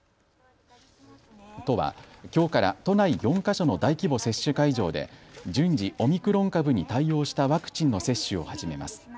都はきょうから都内４か所の大規模接種会場で順次オミクロン株に対応したワクチンの接種を始めます。